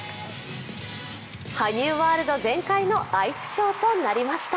羽生ワールド全開のアイスショーとなりました。